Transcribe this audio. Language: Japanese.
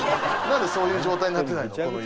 なんでそういう状態になってないの？